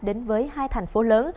đến với hai thành phố lớn